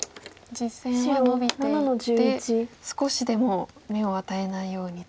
実戦はノビていって少しでも眼を与えないようにと。